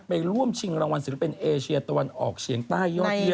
ร่วมชิงรางวัลศิลปินเอเชียตะวันออกเฉียงใต้ยอดเยี่